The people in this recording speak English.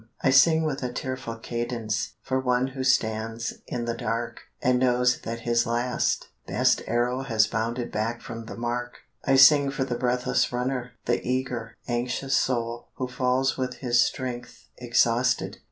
I sing with a tearful cadence For one who stands in the dark, And knows that his last, best arrow Has bounded back from the mark. I sing for the breathless runner, The eager, anxious soul, Who falls with his strength exhausted.